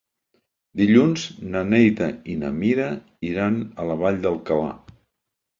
Dilluns na Neida i na Mira iran a la Vall d'Alcalà.